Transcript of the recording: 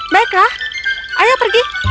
baiklah ayo pergi